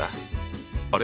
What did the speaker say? あれ？